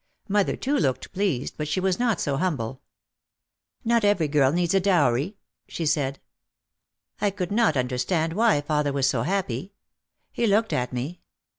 Mother too looked pleased, but she was not so humble. "Not every girl needs a dowry," she said. I could not understand why father was so happy. He looked at me.